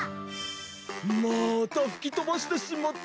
またふきとばしてしまった。